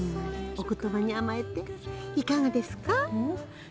お言葉に甘えていかがですか？